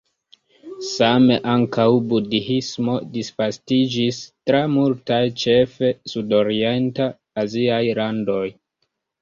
Same ankaŭ Budhismo disvastiĝis tra multaj ĉefe sudorienta aziaj landoj.